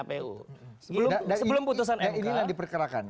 sebelum putusan mk